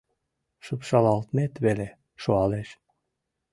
Шупшалалмет веле шуалеш.